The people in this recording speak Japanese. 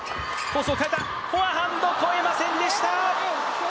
フォアハンド、越えませんでした。